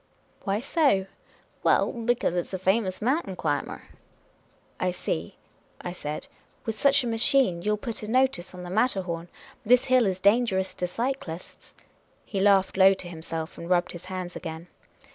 "Why so?" " Well, because it 's a famous mountain climber." " I see," I said. " With such a machine you '11 put a notice on the Matterhorn, ' This hill is dangerous to cyclists.' " He laughed low to himself, and rubbed his hands again.